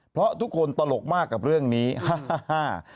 เพราะทุกคนตลกมากกับเรื่องนี้ฮ่าฮ่า